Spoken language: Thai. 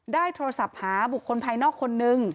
ได้โทรศัพท์หาบุคคลภายนอกคนนึง